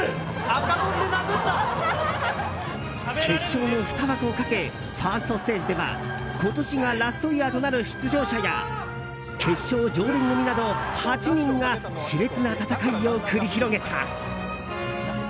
決勝の２枠をかけファーストステージでは今年がラストイヤーとなる出場者や決勝常連組など８人が熾烈な戦いを繰り広げた。